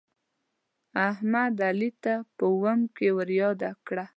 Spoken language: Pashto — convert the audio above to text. احمد، علي ته په اوم کې ورياده کړه.